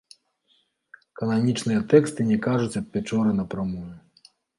Кананічныя тэксты не кажуць аб пячоры напрамую.